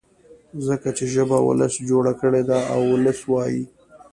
ځکه چي ژبه ولس جوړه کړې ده او ولس يې وايي.